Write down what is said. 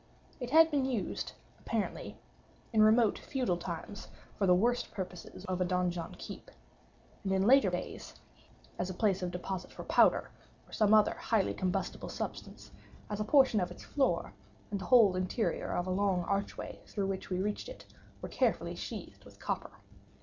It had been used, apparently, in remote feudal times, for the worst purposes of a donjon keep, and, in later days, as a place of deposit for powder, or some other highly combustible substance, as a portion of its floor, and the whole interior of a long archway through which we reached it, were carefully sheathed with copper.